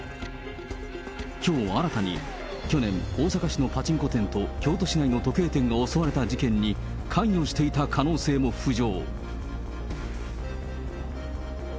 きょう新たに去年、大阪市のパチンコ店と京都市内の時計店が襲われた事件に関与していた可能性も浮上。